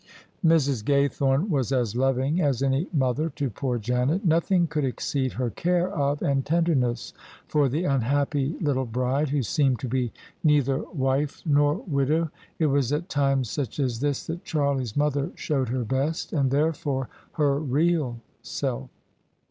Mrs. Gaythome was as loving as any mother to poor Janet: nothing could exceed her care of and tenderness for the unhappy little bride, who seemed to be neither wife nor [ 209 ] THE SUBJECTION widow. It was at times such as this that Charlie's mother showed her best — and therefore her real — self.